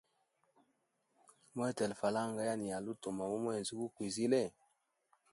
Muhetele falanga yanali utuma mu mwezi gu kwizile.